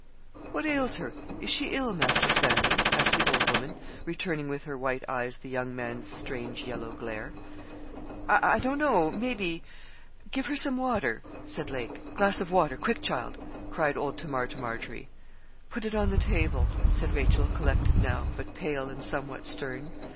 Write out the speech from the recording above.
'What ails her is she ill, Master Stanley?' asked the old woman, returning with her white eyes the young man's strange yellow glare. 'I I don't know maybe give her some water,' said Lake. 'Glass of water quick, child,' cried old Tamar to Margery. 'Put it on the table,' said Rachel, collected now, but pale and somewhat stern.